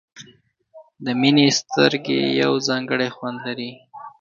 د مینې سترګې یو ځانګړی خوند لري.